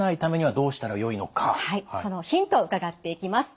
はいそのヒントを伺っていきます。